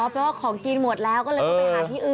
อ๋อเพราะว่าของกินหมดแล้วก็เลยจะไปหาที่อื่น